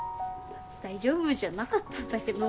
大丈夫じゃなかったんだけど。